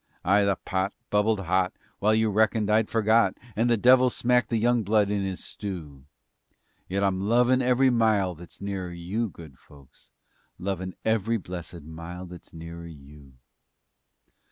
Ay! the pot bubbled hot, while you reckoned I'd forgot, And the devil smacked the young blood in his stew, Yet I'm lovin' every mile that's nearer you, Good folks, Lovin' every blessed mile that's nearer you.